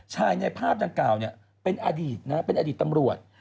ในภาพดังกล่าวเป็นอดีตนะเป็นอดีตตำรวจ